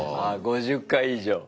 ５０回以上。